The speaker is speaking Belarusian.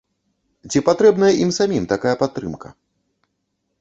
Ці патрэбная ім самім такая падтрымка.